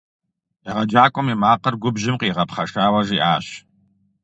Егъэджакӏуэм и макъыр губжьым къигъэпхъэшауэ жиӏащ.